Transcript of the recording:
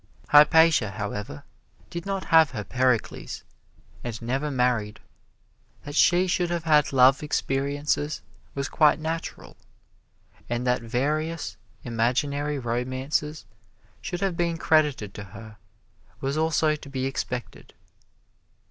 Hypatia, however, did not have her Pericles, and never married. That she should have had love experiences was quite natural, and that various imaginary romances should have been credited to her was also to be expected.